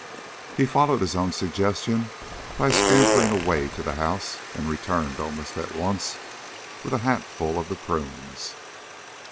He followed his own suggestion by scampering away to the house and returned almost at once with a hat full of the prunes.